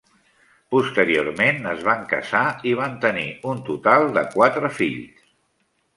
Posteriorment es van casar i van tenir un total de quatre fills.